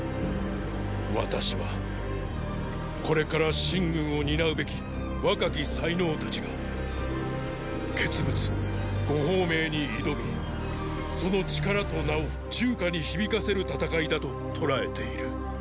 私はーーこれから秦軍を担うべき若き才能たちが傑物呉鳳明に挑みその力と名を中華に響かせる戦いだととらえている。